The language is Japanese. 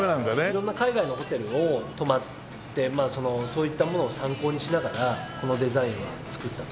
色んな海外のホテルを泊まってそういったものを参考にしながらこのデザインは造ったと。